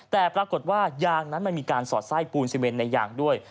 แต่ปรากฏว่ายางนั้นมันมีการสอดไส้ปูนซีเมนในยางด้วย